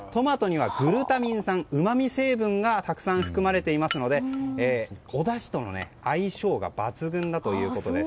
グルタミン酸、うまみ成分がたくさん含まれていますのでおだしとの相性が抜群だということです。